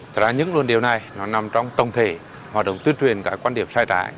thật ra những luôn điều này nó nằm trong tổng thể hoạt động tuyên truyền các quan điểm sai trái